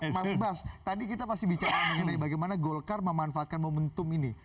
mas bas tadi kita masih bicara mengenai bagaimana golkar memanfaatkan momentum ini